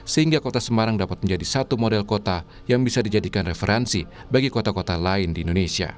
sehingga kota semarang dapat menjadi satu model kota yang bisa dijadikan referensi bagi kota kota lain di indonesia